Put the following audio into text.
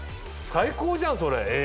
最高じゃんそれＡＩ。